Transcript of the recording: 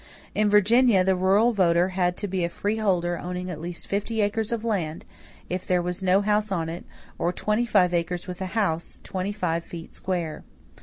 In Virginia, the rural voter had to be a freeholder owning at least fifty acres of land, if there was no house on it, or twenty five acres with a house twenty five feet square.